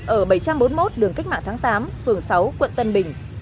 ở bảy trăm bốn mươi một đường cách mạng tháng tám phường sáu quận tân bình